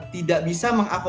tidak bisa mengakualisikan